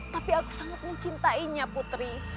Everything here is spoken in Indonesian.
tapi aku sangat mencintainya putri